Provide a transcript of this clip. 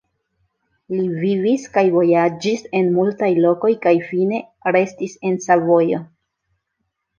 Li vivis kaj vojaĝis en multaj lokoj kaj fine restis en Savojo.